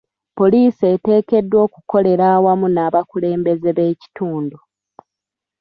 Poliisi eteekeddwa okukolera awamu n'abakulembeze b'ekitundu.